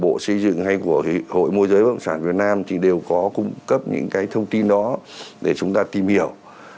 bộ xây dựng hay của hội môi giới bất động sản việt nam thì đều có cung cấp những cái thông tin đó để chúng ta tìm hiểu